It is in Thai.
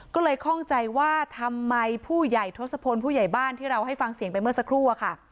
ก็เลยข้องใจว่าทำไมผู้ใหญ่ทศพลผู้ใหญ่บ้านที่เราให้ฟังเสียงไปเมื่อสักครู่อะค่ะ